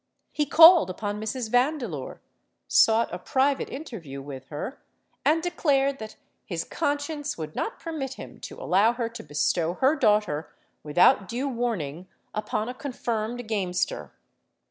He called upon Mrs. Vandeleur, sought a private interview with her, and declared that his conscience would not permit him to allow her to bestow her daughter, without due warning, upon a confirmed gamester.